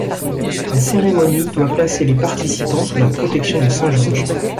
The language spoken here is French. La cérémonie doit placer les participants sous la protection de saint Georges.